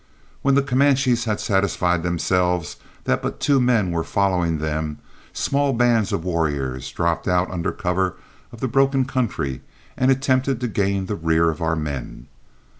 When the Comanches had satisfied themselves that but two men were following them, small bands of warriors dropped out under cover of the broken country and attempted to gain the rear of our men.